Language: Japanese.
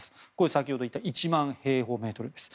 先ほどいった１万平方メートルです。